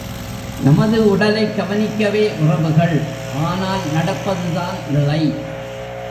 நமது உடலைக் கவனிக்கவே உறவுகள் ஆனால் நடப்பதுதான் இல்லை.